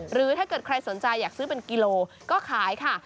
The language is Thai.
หรือถ้าเกิดใครสนใจอยากซื้อเป็นกิโลก็ขายค่ะ